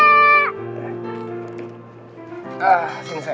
ntar gue pergi saja